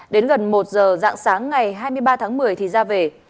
đến gần một giờ dạng sáng ngày hai mươi ba tháng một mươi thì ra về